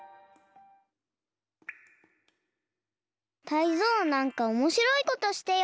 タイゾウなんかおもしろいことしてよ。